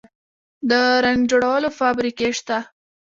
د رنګ جوړولو فابریکې شته؟